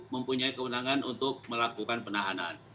mempunyai kewenangan untuk melakukan penahanan